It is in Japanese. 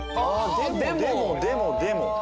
でもでもでもでも。